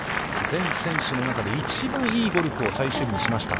全選手の中で一番いいゴルフを最終日にしました。